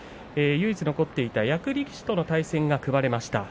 唯一残っていた役力士との対戦が組まれました。